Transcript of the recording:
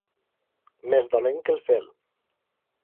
Més dolent que el fel.